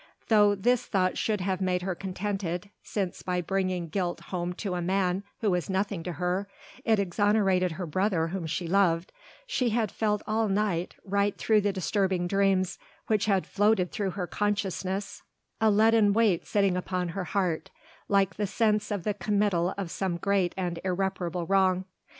Though this thought should have made her contented, since by bringing guilt home to a man who was nothing to her, it exonerated her brother whom she loved, she had felt all night, right through the disturbing dreams which had floated through her consciousness, a leaden weight sitting upon her heart, like the sense of the committal of some great and irreparable wrong.